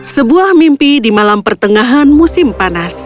sebuah mimpi di malam pertengahan musim panas